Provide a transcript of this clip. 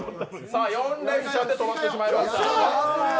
４レンチャンで止まってしまいました。